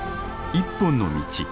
「一本の道」。